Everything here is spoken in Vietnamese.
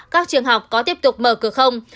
các trường học có tiếp tục mở cửa không